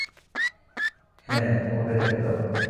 হ্যাঁ, ওভাবে রেখে দাও।